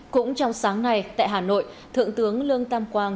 cũng trong sáng nay tại hà nội thượng tướng lương tam quang